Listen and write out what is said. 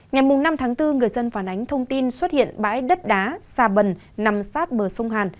ngày năm tháng bốn người dân phản ánh thông tin xuất hiện bãi đất đá xà bần nằm sát bờ sông hàn